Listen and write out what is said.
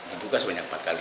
diduga sebanyak empat kali